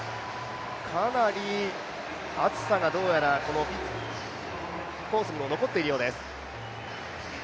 かなり暑さがどうやら、このコースにも残っているようです。